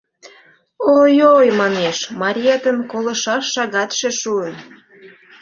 — Ой-ой, манеш, мариетын колышаш шагатше шуын.